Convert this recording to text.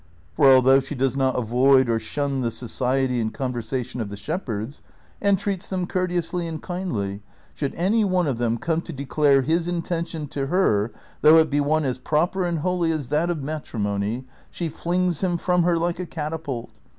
For although she does not avoid or shun the society and con versation of the shepherds, and treats them courteously and kindly, should any one of themcome to declare his intention to her, though it be one as proper and holy as that of matri mony, she flings him from her like a catapult.